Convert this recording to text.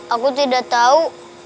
aku tidak tahu